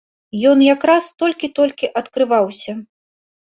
Ён якраз толькі-толькі адкрываўся.